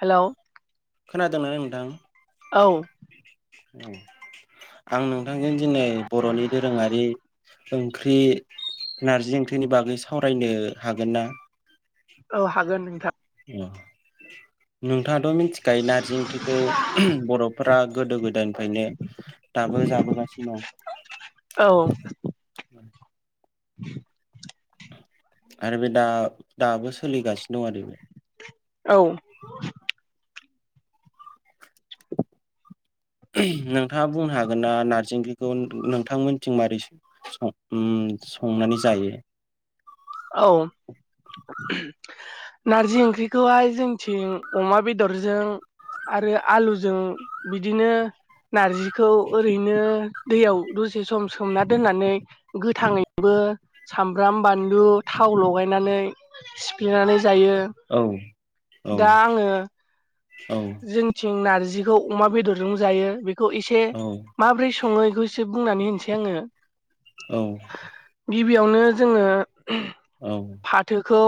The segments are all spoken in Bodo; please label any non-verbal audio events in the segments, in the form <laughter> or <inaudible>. हेल' खोनादों नाय नोंथां औ औ आं नोंथांजों दिनै बर'नि दोरोङारि ओंख्रि नार्जि ओंख्रिनि बागै सावरायनो हागोन ना औ हागोन नोंथां नोंथाङाथ' मिथिखायो नार्जि ओंख्रिखौ बर'फ्रा गोदो गोदायनिफ्रायनो दाबो जाबोगासिनों औ उ <inaudible> आरो बे दा दाबो सोलिगासिनो दं आरो औ नोंथाङा बुंनो हागोन ना नारजि ओंख्रैखौ नोंथां मिथिं मारै संनानै जायो औ नारजि ओंख्रिखौहाय जोंथिं अमा बेदरजों आरो आलुजों बिदिनो नारजिखौ ओरैनो दैयाव दसे सम सोमना दोननानै गोथाङैबो सामब्राम बानलु थाव लगायनानै सिफेनानै जायो औ औ दा आङो औ जोंथिं नारजिखौ अमा बेदरजों जायो बेखौ एसे औ माब्रै सङो बेखौसो बुंनानै होनसै आङो औ गिबियावनो जोङो औ फाथोखौ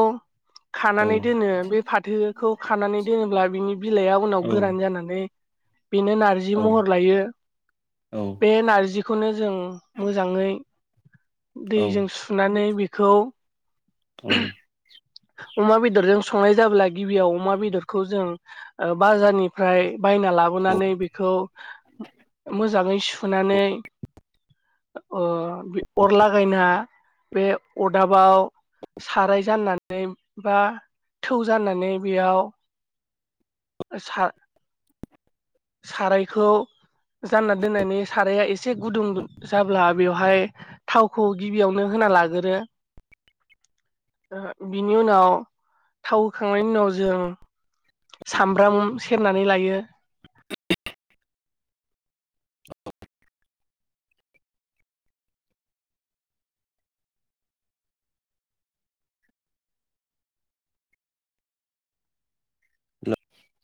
खानानै औ दोनो बे फाथोखौ खानानै दोनोब्ला बिनि बिलाइआ उनाव गोरान जानानै बेनो नार्जि औ महर लायो बे औ नारजिखौनो जों मोजाङै औ दैजों सुनानै बेखौ औ अमा बेदरजों संनाय जाब्ला गिबियाव अमा बेदरखौ जों बाजारनिफ्राय बायना लाबोनानै औ बे मोजाङै सुनानै ओ अरलागायना बे अरदाबाव साराय जाननानै बा थौ जानानानै बेयाव सा सारायखौ जानना दोननानै साराया एसे गुदुं जाबाय अब्ला बेवहाय थावखौ गिबियावनो होना लागोरो बिनि उनाव थाव होखांनायनि उनाव जों सामब्राम सेरनानै लायो <inaudible> हेल'